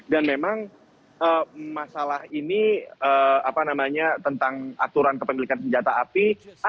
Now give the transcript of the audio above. dan memang masalah ini apa namanya tentang aturan kepemilikan senjata api ada